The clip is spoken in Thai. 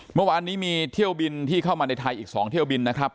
เมื่อวานนี้มีเที่ยวบินที่เข้ามาในไทยอีก๒เที่ยวบินนะครับ